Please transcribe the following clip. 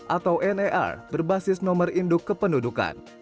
atau nar berbasis nomor induk kependudukan